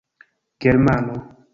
germano